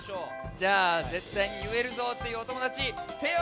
じゃあぜったいにいえるぞっていうおともだちてをあげてください！